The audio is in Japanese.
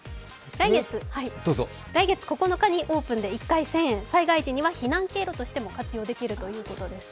来月９日にオープンで１回１０００円、災害地には避難経路としても活用できるということです。